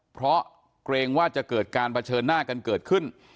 เพราะเกรงว่าจะเกิดการเผชิญหน้ากันเกิดขึ้น